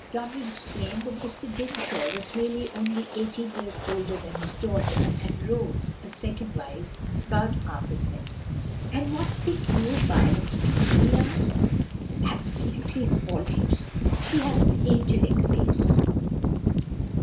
Donald explained that Mr. Dinsmore was really only eighteen years older than his daughter, and Rose, a second wife, but half as many. "And what think you of Violet's beauty?" he asked. "Absolutely faultless! She has an angelic face!